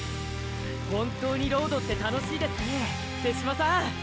本当にロードって楽しいですね手嶋さん！